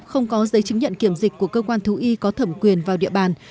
không có giấy chứng nhận kiểm dịch của cơ quan thú y có thẩm quyền vào địa bàn